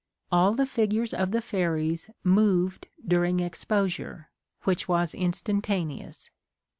All the figures of the fairies moved dur ing exposure, which was *' instantaneous."